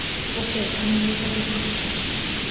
ওকে, আমি গিয়ে তাকে খুঁজছি।